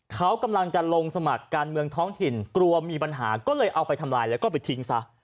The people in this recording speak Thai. เขากำลังจะลงสมัครการเมืองท้องถิ่นกลัวมีปัญหาก็เลยเอาไปทำลายแล้วก็ไปทิ้งซะ